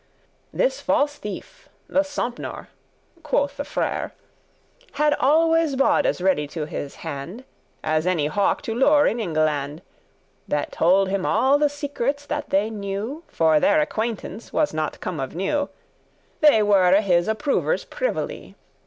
This false thief, the Sompnour (quoth the Frere), Had always bawdes ready to his hand, As any hawk to lure in Engleland, That told him all the secrets that they knew, — For their acquaintance was not come of new; They were his approvers* privily.